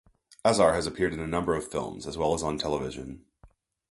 Azar has appeared in a number of films, as well as on television.